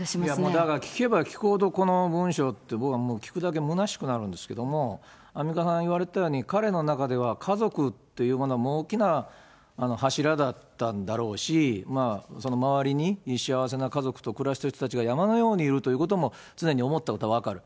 だから聞けば聞くほどこの文章って、僕はもう聞くだけむなしくなるんですけれども、アンミカさん言われたように、彼の中では、家族っていうものは大きな柱だったんだろうし、周りに幸せな家族と暮らしている人たちが山のようにいるということを常に思ってたことは分かる。